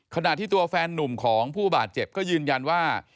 ขณะที่ตัวแฟนนุ่มของผู้บาดเจ็บก็ยืนยันว่า